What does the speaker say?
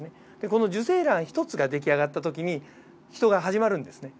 この受精卵１つができあがった時にヒトが始まるんですね。